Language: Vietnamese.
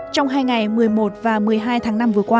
trong hai ngày một mươi một và một mươi hai tháng năm vừa qua